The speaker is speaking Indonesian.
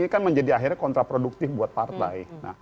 ini kan akhirnya menjadi kontraproduktif buat partai